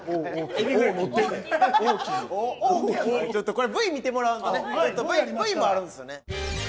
これＶ見てもらわんとねＶもあるんですよね。